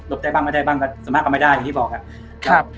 ได้บ้างไม่ได้บ้างก็สามารถก็ไม่ได้อย่างที่บอกครับ